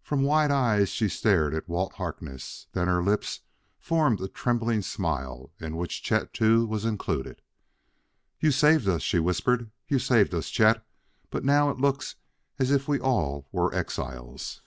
From wide eyes she stared at Walt Harkness; then her lips formed a trembling smile in which Chet, too, was included. "You saved us," she whispered; "you saved us, Chet ... but now it looks as if we all were exiles."